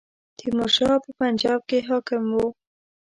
تیمور شاه په پنجاب کې حاکم وو.